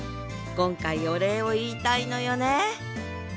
今回お礼を言いたいのよね